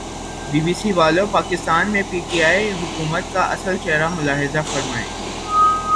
be B C والو پاکستان میں P T I حکومت کا اصل چہرا ملاحظہ فرمائیں